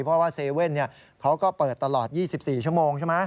เพราะว่าเซเว่นเขาก็เปิดตลอด๒๔ชั่วโมงใช่ไหม